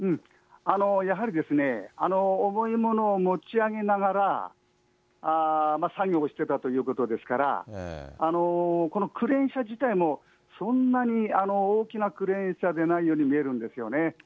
やはり重いものを持ち上げながら作業をしてたということですから、このクレーン車自体も、そんなに大きなクレーン車でないように見えるんですよね。